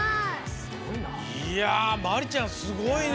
いやまりちゃんすごいね。